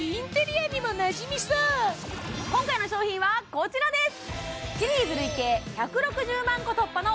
今回の商品はこちらです